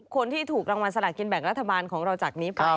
คนที่ถูกรางวัลสลากินแบ่งรัฐบาลของเราจากนี้ไป